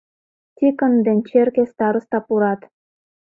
Тикын ден черке староста пурат.